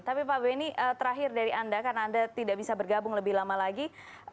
tapi pak benny terakhir dari anda karena anda tidak bisa bergabung lebih lama lagi